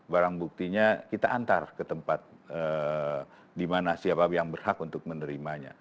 barang buktinya kita antar ke tempat di mana siapa yang berhak untuk menerimanya